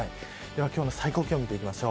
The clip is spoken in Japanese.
では今日の最高気温です。